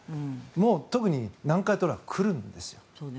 もう特に南海トラフ、来るんですよ。